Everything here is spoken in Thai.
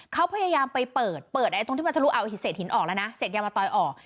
เขาพยายามไปเปิดตรงที่มาทะลุเอาเห็ดหินออกแล้วนะเสร็จยาวมาตอยออก